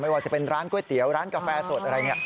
ไม่ว่าการเป็นร้านก๋วยเตี๋ยวร้านกาแฟสดอะไร